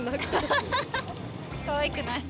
かわいくない。